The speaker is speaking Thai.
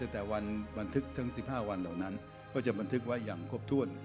แต่วันบันทึกทั้ง๑๕วันเหล่านั้นก็จะบันทึกไว้อย่างครบถ้วน